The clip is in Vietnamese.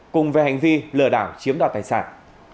cùng về hành vi lừa đảo chiếm đoạt tài sản